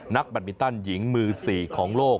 แบตมินตันหญิงมือ๔ของโลก